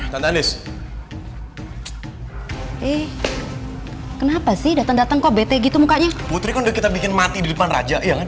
tante anies eh kenapa sih datang datang kok bete gitu mukanya putri kita bikin mati di depan raja